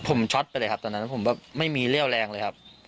ผมช็อตไปเลยครับตอนนั้นผมแบบไม่มีเรี่ยวแรงเลยครับ